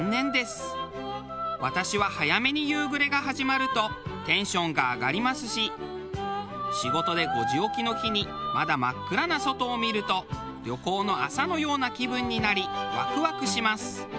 私は早めに夕暮れが始まるとテンションが上がりますし仕事で５時起きの日にまだ真っ暗な外を見ると旅行の朝のような気分になりワクワクします。